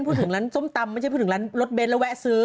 พูดถึงร้านส้มตำไม่ใช่พูดถึงร้านรถเน้นแล้วแวะซื้อ